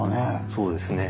そうですね。